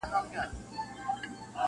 ما راوړي هغه لارو ته ډېوې دي-